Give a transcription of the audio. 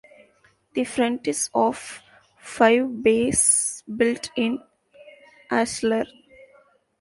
The front is of five bays built in ashlar.